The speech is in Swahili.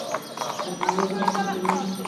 Anaogopa vidudu